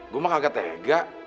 gue mah agak tega